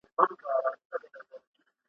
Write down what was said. کشکي نه وای شاعر سوی د بدبخت اولس په ژبه ,